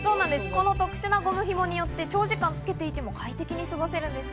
この特殊なゴム紐によって長時間つけていても快適に過ごせるんです。